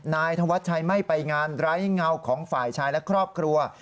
นายธวัชชัยไม่ไปงานไร้เงาของฝ่ายชายและครอบครัว